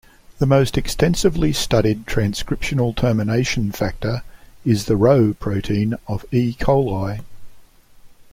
The most extensively studied transcriptional termination factor is the Rho protein of "E. coli".